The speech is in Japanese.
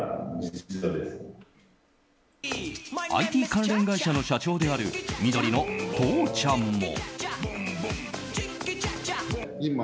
ＩＴ関連会社の社長である緑のとーちゃんも。